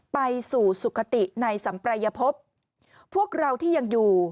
ไปสู่สุขติในสัมปรายภพพวกเราที่ยังอยู่